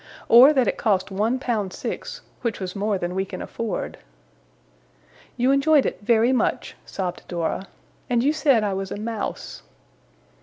Or that it cost one pound six which was more than we can afford.' 'You enjoyed it very much,' sobbed Dora. 'And you said I was a Mouse.